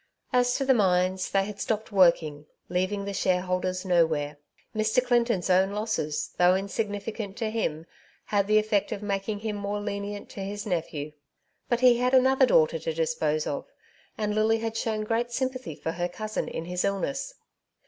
As to the mines, they had stopped working, leaving the shareholders nowhere. Mr. Clinton's own losses, though insignificant to him, had the effect of making him more lenient to his nephew. But he had another daughter to dispose of, and Lily had shown great sympathy for her cousin in his illness.